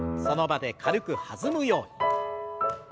その場で軽く弾むように。